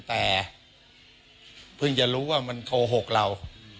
แต่เพิ่งจะรู้ว่ามันโกหกเรา